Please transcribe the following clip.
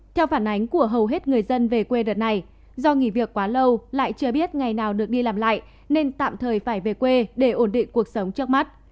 theo phản ánh của hầu hết người dân về quê đợt này do nghỉ việc quá lâu lại chưa biết ngày nào được đi làm lại nên tạm thời phải về quê để ổn định cuộc sống trước mắt